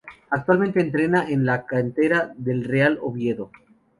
Actualmente entrena en la cantera del Real Oviedo.